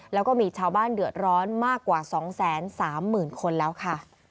แล้วก็มีชาวบ้านเดือดร้อนมากกว่า๒๓๐๐๐คนแล้วค่ะ